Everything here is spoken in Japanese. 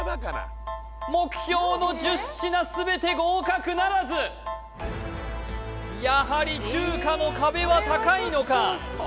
目標の１０品全て合格ならずやはり中華の壁は高いのか？